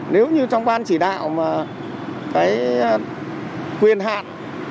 nếu như trong ban chỉ đạo mà cái quyền hạn